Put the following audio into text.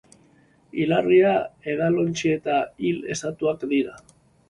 Hilarri, edalontzi eta hil estatuak dira.